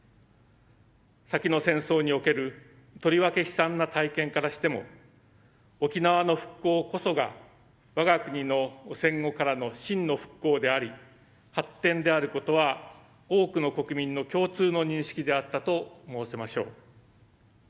先の戦争におけるとりわけ悲惨な体験からしても沖縄の復興こそが我が国の戦後からの真の復興であり発展であることは多くの国民の共通の認識であったと申せましょう。